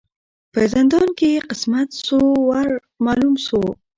په زندان کی یې قسمت سو ور معلوم سو